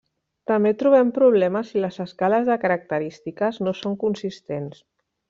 També trobem problemes si les escales de característiques no són consistents.